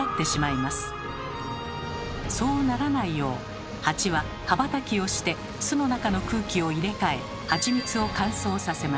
そうならないようハチは羽ばたきをして巣の中の空気を入れ替えハチミツを乾燥させます。